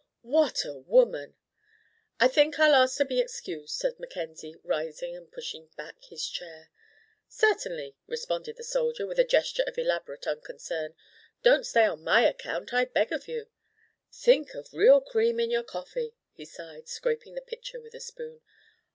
What a woman!" "I think I'll ask to be excused," said Mackenzie, rising and pushing back his chair. "Certainly," responded the soldier, with a gesture of elaborate unconcern. "Don't stay on my account, I beg of you. Think of real cream in your coffee!" he sighed, scraping the pitcher with a spoon.